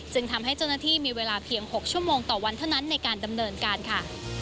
ทำให้เจ้าหน้าที่มีเวลาเพียง๖ชั่วโมงต่อวันเท่านั้นในการดำเนินการค่ะ